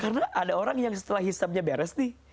karena ada orang yang setelah hisapnya beres nih